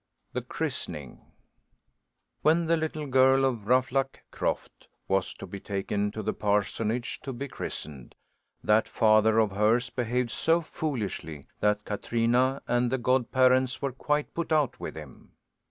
THE CHRISTENING When the little girl of Ruffluck Croft was to be taken to the parsonage, to be christened, that father of hers behaved so foolishly that Katrina and the godparents were quite put out with him.